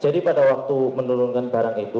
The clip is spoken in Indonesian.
jadi pada waktu menurunkan barang itu